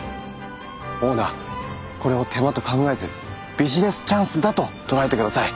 オーナーこれを手間と考えずビジネスチャンスだと捉えてください。